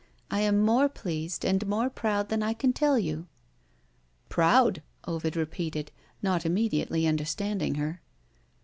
"I am more pleased and more proud than I can tell you." "Proud!" Ovid repeated, not immediately understanding her.